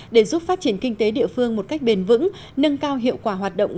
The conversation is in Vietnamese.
để giúp phát triển kinh tế địa phương một cách bền vững nâng cao hiệu quả hoạt động